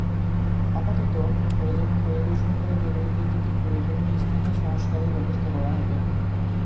আপাতত সরেজমিন পরিদর্শন করে জরুরি ভিত্তিতে প্রয়োজনীয় স্থানে সংস্কারের ব্যবস্থা করা হবে।